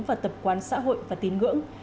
và tập quán xã hội và tín ngưỡng